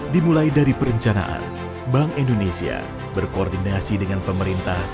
dimulai dari perencanaan bank indonesia berkoordinasi dengan pemerintah